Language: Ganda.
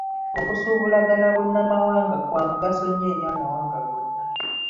Okusuubulagana bunnamawanga kwa mugaso nnyo eri amawanga gonna.